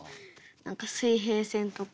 何か「水平線」とか。